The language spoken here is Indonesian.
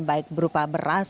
baik berupa beras atau beras